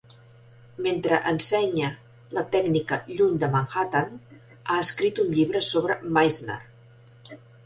Mentre ensenya la tècnica lluny de Manhattan, ha escrit un llibre sobre Meisner.